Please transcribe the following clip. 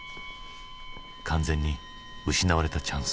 完全に失われたチャンス。